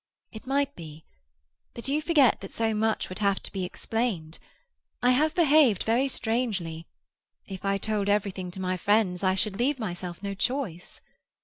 "It might be. But you forget that so much would have to be explained. I have behaved very strangely. If I told everything to my friends I should leave myself no choice."